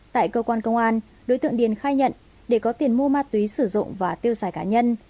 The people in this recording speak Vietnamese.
tại cơ quan công an đối tượng điền khai nhận để có tiền mua ma túy sử dụng và tiêu xài cá nhân